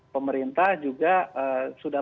pemerintah juga sudah